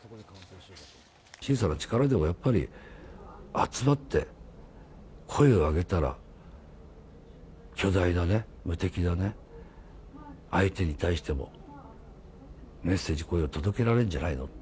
小さな力でもやっぱり、集まって声を上げたら、巨大なね、無敵なね、相手に対しても、メッセージ、声を届けられるんじゃないの。